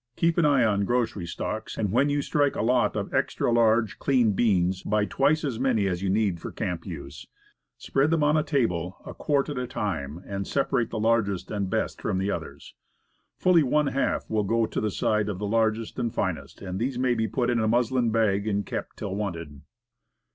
Keep an eye on grocery stocks, and when you strike a lot of extra large, clean beans, buy twice as many as you need for camp use. Spread them on a table, a quart at a time, and you will be surprised to find how rapidly you can separate i6$ Woodcraft. the largest and best from the others. Fully one half will go to the side of largest and finest, and these maybe put in a muslin bag, and kept till wanted.